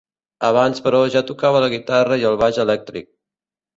Abans però ja tocava la guitarra i el baix elèctric.